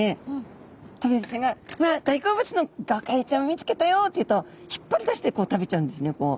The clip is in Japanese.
トビハゼちゃんが「わあっ大好物のゴカイちゃんを見つけたよ！」って言うと引っ張り出してこう食べちゃうんですね。